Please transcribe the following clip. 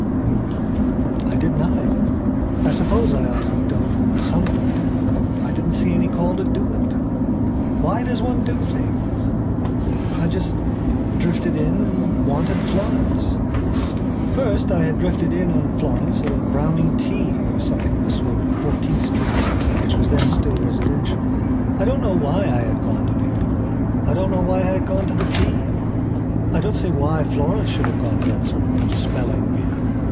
And I did nothing. I suppose I ought to have done something, but I didn't see any call to do it. Why does one do things? I just drifted in and wanted Florence. First I had drifted in on Florence at a Browning tea, or something of the sort in Fourteenth Street, which was then still residential. I don't know why I had gone to New York; I don't know why I had gone to the tea. I don't see why Florence should have gone to that sort of spelling bee.